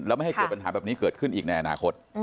ไม่ให้เกิดปัญหาแบบนี้เกิดขึ้นอีกในอนาคต